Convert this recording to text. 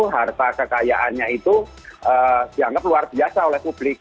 harta kekayaannya itu dianggap luar biasa oleh publik